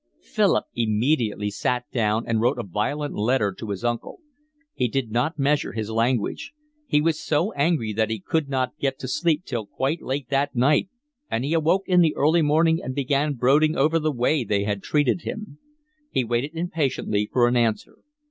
Philip immediately sat down and wrote a violent letter to his uncle. He did not measure his language. He was so angry that he could not get to sleep till quite late that night, and he awoke in the early morning and began brooding over the way they had treated him. He waited impatiently for an answer.